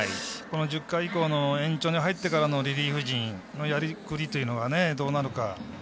１０回以降の延長に入ってからのリリーフ陣のやりくりというのはどうなるか。